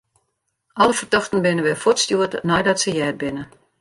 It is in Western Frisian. Alle fertochten binne wer fuortstjoerd neidat se heard binne.